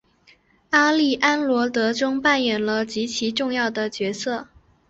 阿丽安萝德中扮演了其最重要的角色。